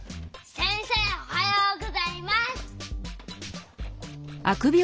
せんせいおはようございます。